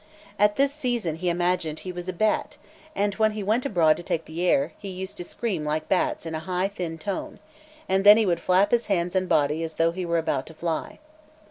At this season he imagined that he was a bat, and when he went abroad to take the air, he used to scream like bats in a high thin tone; and then he would flap his hands and body as though he were about to fly.